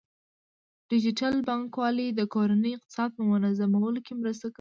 ډیجیټل بانکوالي د کورنۍ اقتصاد په منظمولو کې مرسته کوي.